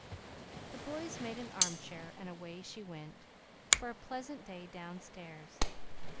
The boys made an arm chair, and away she went, for a pleasant day downstairs.